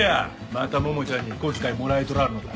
また桃ちゃんに小遣いもらえとらんのか。